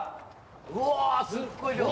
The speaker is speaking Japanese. うわすっごい量！